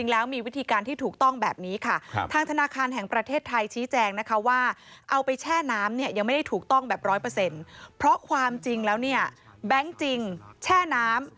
แล้วขยี้ก็มีสิทธิ์ขาดเหมือนกันนะคะ